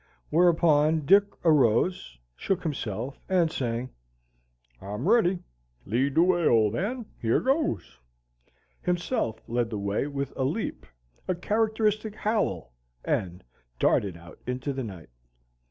Whereupon Dick arose, shook himself, and saying, "I'm ready. Lead the way, Old Man: here goes," himself led the way with a leap, a characteristic howl, and darted out into the night.